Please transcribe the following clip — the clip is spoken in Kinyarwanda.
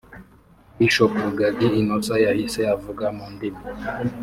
Bishop Rugagi Innocent yahise avuga mu ndimi